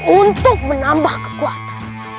untuk menambah kekuatan